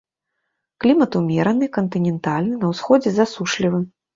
Клімат умераны, кантынентальны, на ўсходзе засушлівы.